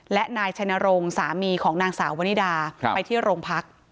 และนายชัยนรงค์สามีของนางสาววนิดาไปที่โรงพัก